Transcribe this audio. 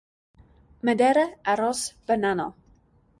Madera, Arroz, Banano.